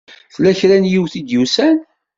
Tella kra n yiwet i d-yusan?